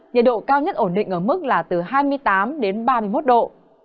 nhiệt độ cao nhất ổn định ở mức là từ hai mươi tám đến ba mươi một độ